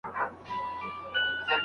لارښود له څو ورځو راهیسې مسوده ګوري.